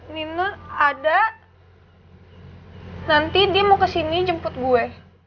nino ada nanti dia mau kesini jemput gue